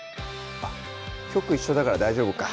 あっ局一緒だから大丈夫か